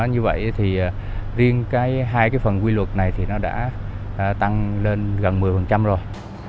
như vậy thì riêng hai cái phần quy luật này thì nó đã tăng lên gần một mươi rồi